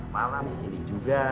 malam ini juga